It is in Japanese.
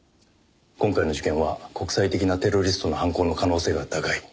今回の事件は国際的なテロリストの犯行の可能性が高い。